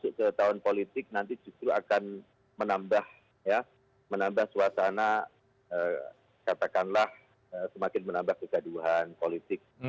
masuk ke tahun politik nanti justru akan menambah ya menambah suasana katakanlah semakin menambah kegaduhan politik